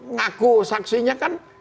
ngaku saksinya kan